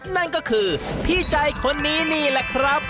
นั่นก็คือพี่ใจคนนี้นี่แหละครับ